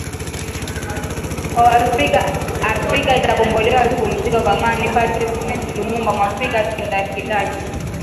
kwa Waafrika Afrika itakombolewa tu Pumzika kwa amani Patrice Emery Lumumba Mwafrika kindakindaki